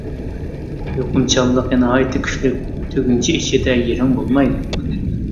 يۇقۇمچانلىقى ناھايىتى كۈچلۈك، تۈگۈنچە ئىچىدە يىرىڭ بولمايدۇ.